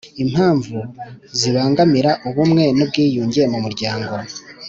Impamvu zibangamira ubumwe n ubwiyunge mu muryango